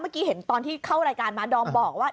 เมื่อกี้เห็นตอนที่เข้ารายการมาดอมบอกว่า